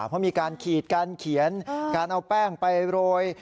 เพราะมีการขีดการเขียนการเอาแป้งไปโรย